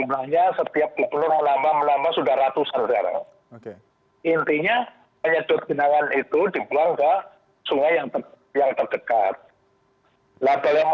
masyarakat harus bertanggung jawab juga terhadap banjir